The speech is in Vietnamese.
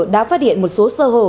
đã phát hiện một số sơ hồ